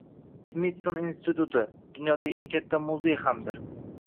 Smitson instituti — dunyodagi eng katta muzey hamdir